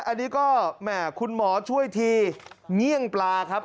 อันนี้ก็แหม่คุณหมอช่วยทีเงี่ยงปลาครับ